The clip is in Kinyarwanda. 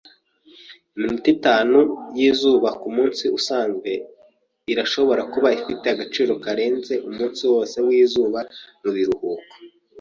Iminota itanu yizuba kumunsi usanzwe irashobora kuba ifite agaciro karenze umunsi wose wizuba mubiruhuko. (oneconor)